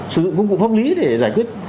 sử dụng công cụ pháp lý để giải quyết